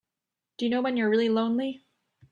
Do you know when you're really lonely?